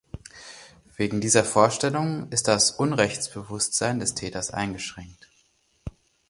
Wegen dieser Vorstellung ist das Unrechtsbewusstsein des Täters eingeschränkt.